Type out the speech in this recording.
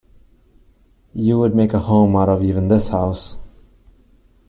You would make a home out of even this house.